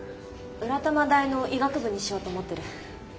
浦玉大の医学部にしようと思ってる。